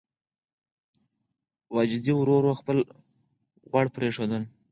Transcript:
واجدې ورو ورو خپل غوړ پرېښودل.